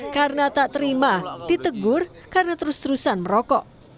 karena tak terima ditegur karena terus terusan merokok